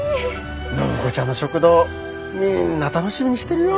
暢子ちゃんの食堂みんな楽しみにしてるよ。